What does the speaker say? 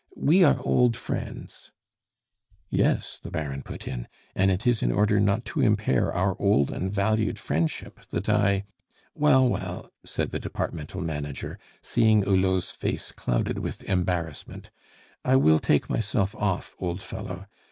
We are old friends " "Yes," the Baron put in; "and it is in order not to impair our old and valued friendship that I " "Well, well," said the departmental manager, seeing Hulot's face clouded with embarrassment, "I will take myself off, old fellow.